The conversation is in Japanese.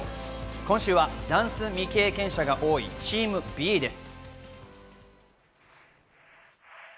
今週はダンス未経験者が多いＴｅａｍＢです。